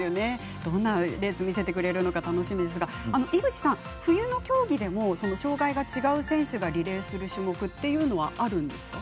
どんなレースを見せてくれるのか楽しみですが井口さん、冬の競技でも障がいが違う選手がリレーする種目というのはあるんですか？